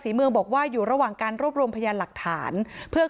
เมืองบอกว่าอยู่ระหว่างการรวบรวมพยานหลักฐานเพื่อ